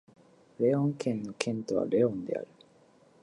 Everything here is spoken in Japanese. レオン県の県都はレオンである